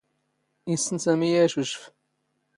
ⵉⵙⵙⵏ ⵙⴰⵎⵉ ⴰⴷ ⵉⵛⵓⵛⴼ.